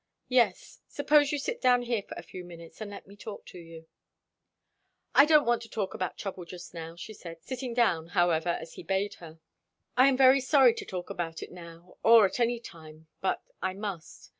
"Yes. Suppose you sit down here for a few minutes, and let me talk to you." "I don't want to talk about trouble just now," she said; sitting down however as he bade her. "I am very sorry to talk about it now, or at any time; but I must.